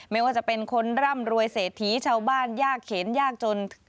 ไม่ว่าจะเป็นคนร่ำรวยเศรษฐีชาวบ้านยากเข็นยากจน